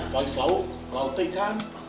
pais lauk lauk itu ikan